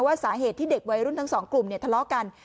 สาเหตุที่เด็กวัยรุ่นทั้งสองกลุ่มเนี่ยทะเลาะกัน